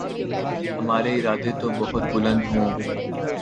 ہمارے ارادے تو بہت بلند ہوں۔